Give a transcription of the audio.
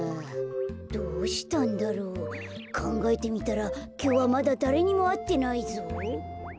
どうしたんだろう？かんがえてみたらきょうはまだだれにもあってないぞ。